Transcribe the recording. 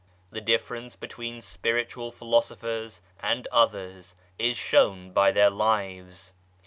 The difference between spiritual philosophers and others is shown by their lives.